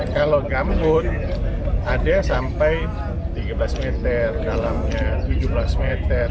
kalau gambut ada sampai tiga belas meter dalamnya tujuh belas meter